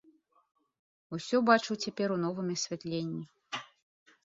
Усё бачыў цяпер у новым асвятленні.